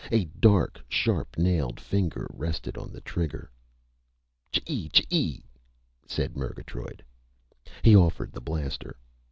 A dark, sharp nailed finger rested on the trigger. "Chee chee!" said Murgatroyd. He offered the blaster.